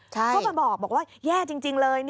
ก็ไปบอกว่าแย่จริงเลย